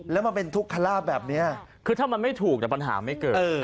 แล้วมันเป็นทุกขระลาภแบบเนี้ยคือถ้ามันไม่ถูกว่างี้ปัญหามันไม่เกิด